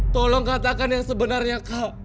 tolong katakan yang sebenarnya kau